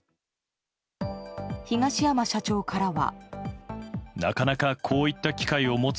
東山社長からは。